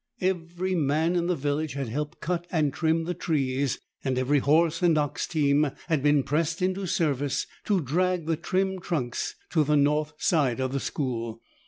Every man in the village had helped cut and trim the trees, and every horse and ox team had been pressed into service to drag the trimmed trunks to the north side of the school.